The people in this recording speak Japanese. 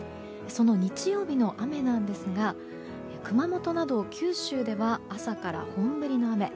その日曜日の雨ですが熊本など九州では朝から本降りの雨。